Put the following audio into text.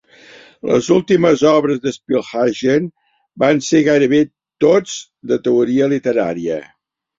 Les últimes obres de Spielhagen van ser gairebé tots de teoria literària.